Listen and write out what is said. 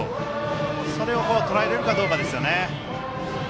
それをとらえられるかどうかです。